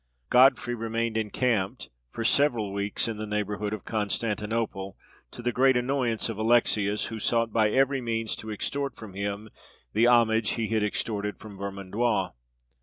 Godfrey remained encamped for several weeks in the neighbourhood of Constantinople, to the great annoyance of Alexius, who sought by every means to extort from him the homage he had extorted from Vermandois.